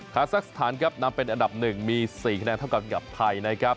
คาซักสถานครับนำเป็นอันดับ๑มี๔คะแนนเท่ากันกับไทยนะครับ